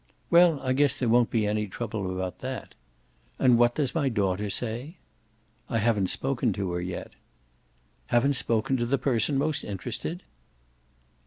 "Well, I guess there won't be any trouble about that. And what does my daughter say?" "I haven't spoken to her yet." "Haven't spoken to the person most interested?"